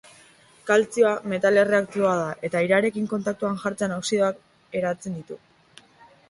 Kaltzioa metal erreaktiboa da eta airearekin kontaktuan jartzean oxidoak eratzen ditu.